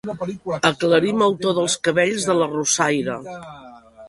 Aclarim el to dels cabells de l'arrossaire.